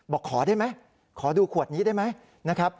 บอกขอได้ไหมขอดูขวดนี้ได้ไหม